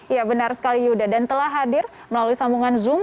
ya benar sekali yuda dan telah hadir melalui sambungan zoom